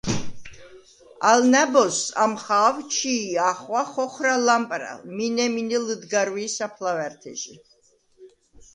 ალ ნა̈ბოზს ამხა̄ვ ჩი̄ ახღვა ხოხვრა ლამპრა̈ლ, მინე-მინე ლჷდგარვი̄ საფლავა̈რთეჟი.